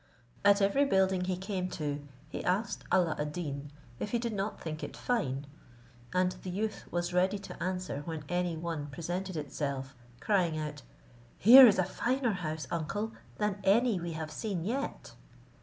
At every building he came to, he asked Alla ad Deen if he did not think it fine; and the youth was ready to answer when any one presented itself, crying out, "Here is a finer house, uncle, than any we have seen yet."